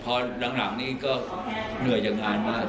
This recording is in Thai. พอหลังตัวเนื้ออย่างนานมาก